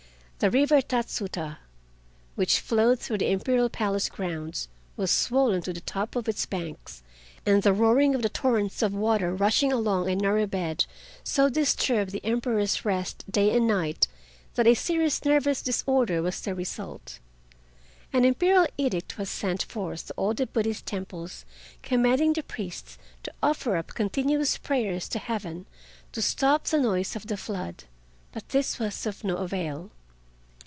The river Tatsuta, which flowed through the Imperial Palace grounds, was swollen to the top of its banks, and the roaring of the torrents of water rushing along a narrow bed so disturbed the Emperor's rest day and night, that a serious nervous disorder was the result. An Imperial Edict was sent forth to all the Buddhist temples commanding the priests to offer up continuous prayers to Heaven to stop the noise of the flood. But this was of no avail.